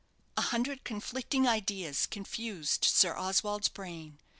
A hundred conflicting ideas confused Sir Oswald's brain.